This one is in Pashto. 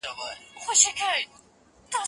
زه هره ورځ واښه راوړم